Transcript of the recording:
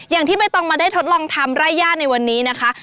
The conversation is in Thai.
อย่างที่ใบตองมาได้ทดลองทำไร่ย่าในวันนี้นะคะ